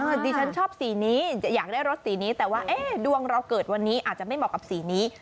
ดิฉันชอบสีนี้อยากได้รถสีนี้แต่ว่าดวงเราเกิดวันนี้อาจจะไม่เหมาะกับสีนี้